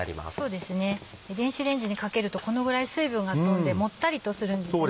そうですね電子レンジにかけるとこのぐらい水分が飛んでもったりとするんですね。